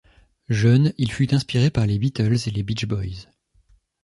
Jeune, il fut inspiré par les Beatles et les Beach Boys.